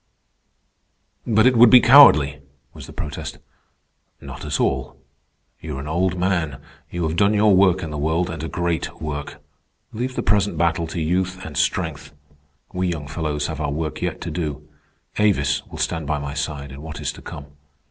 _" "But it would be cowardly," was the protest. "Not at all. You are an old man. You have done your work in the world, and a great work. Leave the present battle to youth and strength. We young fellows have our work yet to do. Avis will stand by my side in what is to come.